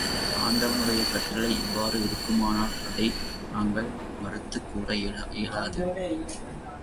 ஆண்டவனுடைய கட்டளை இவ்வாறு இருக்குமானால், அதை நாங்கள் மறுத்துக் கூற இயலாது.